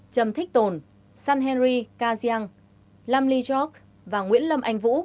trầm thích tồn san henry ca giang lam ly chok và nguyễn lâm anh vũ